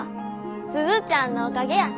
鈴ちゃんのおかげや。